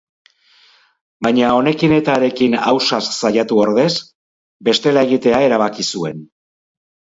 Baina honekin eta harekin ausaz saiatu ordez, bestela egitea erabaki zuen.